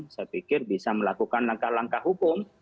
saya pikir bisa melakukan langkah langkah hukum